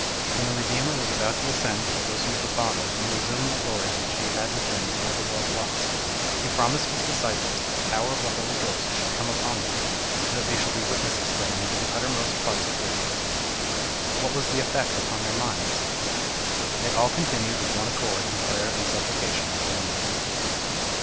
When the Redeemer was about to ascend to the bosom of the Father, and resume the glory which he had with him before the world was, he promised his disciples that the power of the Holy Ghost should come upon them, and that they should be witnesses for him to the uttermost parts of the earth. What was the effect upon their minds? 'They all continued with one accord in prayer and supplication with the women.'